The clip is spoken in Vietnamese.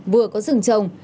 vừa có rừng trồng